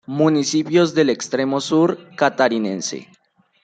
Municipios del Extremo Sur Catarinense